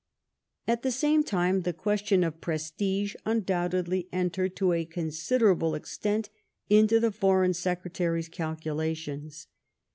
At the same time the question of prestige undoubtedly entered to a considerable extent into the Foreign Secre tary's calculations.